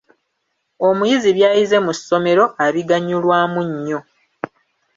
Omuyizi by'ayize mu ssomero, abiganyulwamu nnyo.